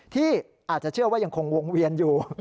ที่อาจจะเชื่อว่ายังคงวงเวียนอยู่